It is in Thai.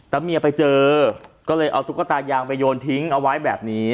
แล้วเมียไปเจอก็เลยเอาตุ๊กตายางไปโยนทิ้งเอาไว้แบบนี้